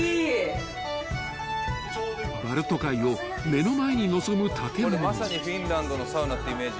［バルト海を目の前に臨む建物］